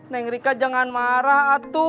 neng rika jangan marah